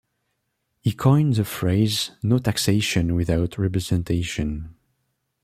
He coined the phrase No taxation without representation.